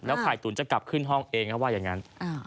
ไข่ตุ๋นจะกลับขึ้นห้องเองเขาว่าอย่างนั้น